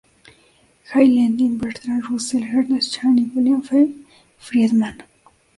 I. Lenin, Bertrand Russell, Ernst Chain, y William F. Friedman.